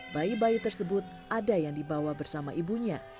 bayi bayi tersebut ada yang dibawa bersama ibunya